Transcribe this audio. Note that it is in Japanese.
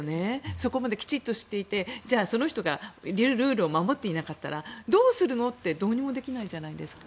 そこまできちんとしていてその人がルールを守っていなかったらどうするの？ってどうにもできないじゃないですか。